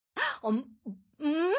うん！